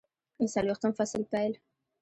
د څلویښتم فصل پیل